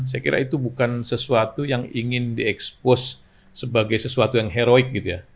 saya kira itu bukan sesuatu yang ingin diekspos sebagai sesuatu yang heroik gitu ya